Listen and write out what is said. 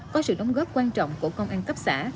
có sự đóng góp quan trọng của công an cấp xã